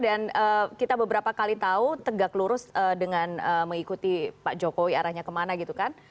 dan kita beberapa kali tahu tegak lurus dengan mengikuti pak jokowi arahnya kemana gitu kan